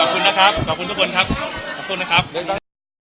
คุณคิดเรื่องนี้ได้ไหม